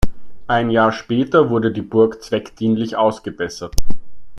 Ein Jahr später wurde die Burg zweckdienlich ausgebessert.